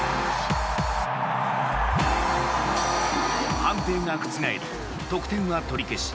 判定が覆り、得点は取り消し。